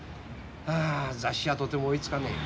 あ雑誌はとても追いつかねえ。